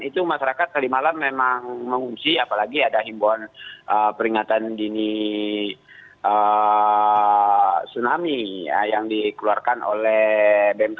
itu masyarakat kalimalang memang mengungsi apalagi ada himbauan peringatan dini tsunami yang dikeluarkan oleh bmkg